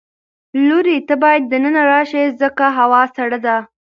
لورې ته باید د ننه راشې ځکه هوا سړه ده.